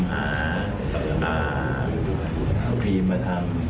หาครีมมาทำ